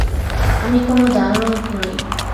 আমি কোনো দানব নই।